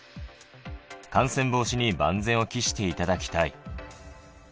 感染防止に万全を期していただきたい。